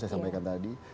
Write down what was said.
saya sampaikan tadi